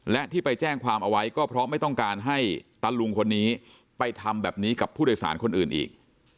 และที่ไปแจ้งความเอาไว้ก็เพราะไม่ต้องการให้ตะลุงคนนี้ไปทำแบบนี้กับผู้โดยสารคนอื่นอีก